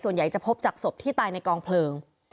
ส่วนใหญ่จะพบจากสบที่ตายในกองเพลิง